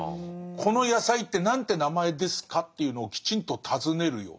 「この野菜って何て名前ですか？」というのをきちんと尋ねるように。